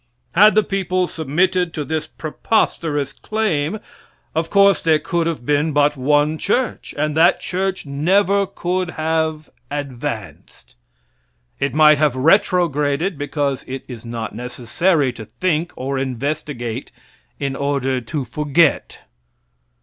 Had the people submitted to this preposterous claim, of course there could have been but one church, and that church never could have advanced. It might have retrograded, because it is not necessary to think, or investigate, in order to forget.